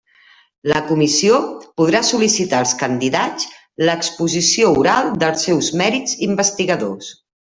La Comissió podrà sol·licitar als candidats l'exposició oral dels seus mèrits investigadors.